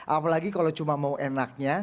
apalagi kalau cuma mau enaknya